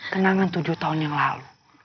kenangan tujuh tahun yang lalu